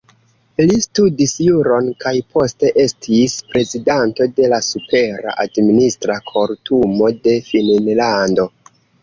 Li studis juron kaj poste estis prezidanto de la Supera Administra Kortumo de Finnlando.